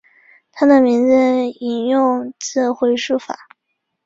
他的名字引用自回溯法。